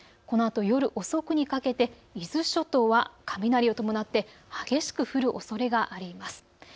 このあと夜遅くにかけて伊豆諸島は雷を伴って激しく降るおそれがあります。